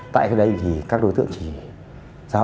tại đây thì các đối tượng